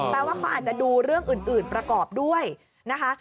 ว่าเขาอาจจะดูเรื่องอื่นประกอบด้วยนะคะ